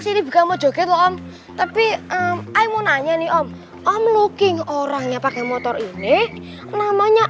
jadi juga mau joget om tapi emang mau nanya nih om om looking orangnya pakai motor ini namanya